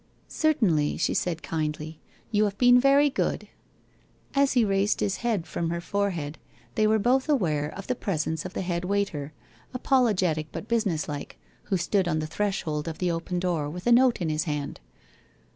' Certainly,' she said kindly, ' you have been very good.' WHITE ROSE OF WEARY LEAF 25 As he raised his head from her forehead, they were both aware of the presence of the head waiter, apologetic but businesslike, who stood on the threshold of the open door with a note in his hand.